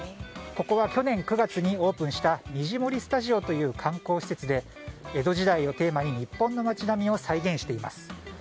ここは去年９月にオープンしたにじもりスタジオという観光施設で江戸時代をテーマに日本の街並みを再現しています。